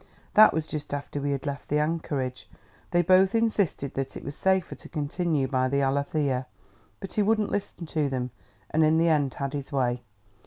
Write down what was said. That was just after we had left the anchorage. They both insisted that it was safer to continue by the Alethea, but he wouldn't listen to them, and in the end had his way.